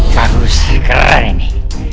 bagus keren ini